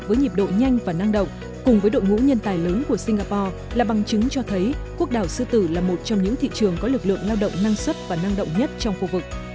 nhịp độ nhanh và năng động cùng với đội ngũ nhân tài lớn của singapore là bằng chứng cho thấy quốc đảo sư tử là một trong những thị trường có lực lượng lao động năng suất và năng động nhất trong khu vực